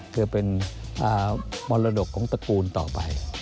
เพื่อเป็นมรดกของตระกูลต่อไป